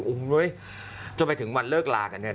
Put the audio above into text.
โอ้โหจนไปถึงวันเลิกลากันเนี่ย